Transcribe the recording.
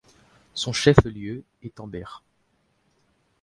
Son chef lieu est Amberg.